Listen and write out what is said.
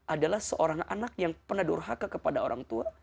adalah seorang anak yang pernah durhaka kepada orang tua